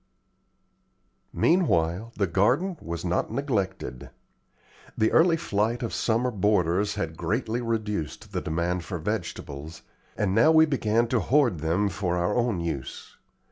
Meanwhile the garden was not neglected. The early flight of summer boarders had greatly reduced the demand for vegetables, and now we began to hoard them for our own use.